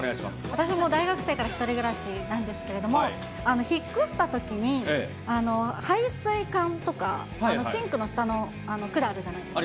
私も大学生から１人暮らしなんですけれども、引っ越したときに、排水管とか、シンクの下の管あるじゃないですか。